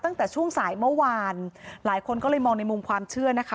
ตั้งแต่ช่วงสายเมื่อวานหลายคนก็เลยมองในมุมความเชื่อนะคะ